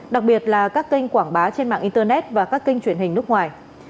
đặc biệt là các kênh quảng bá trên mạng internet và các kênh truyền hình nước ngoài